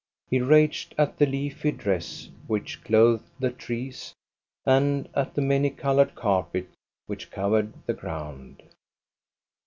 He raged at the leafy dress which clothed the trees, and at the many colored carpet which covered the ground.